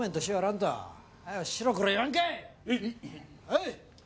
はい！